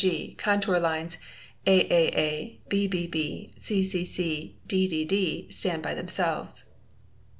g., contour lines aaa, bbb, ccc, ddd stand by themselves.